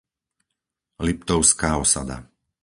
Liptovská Osada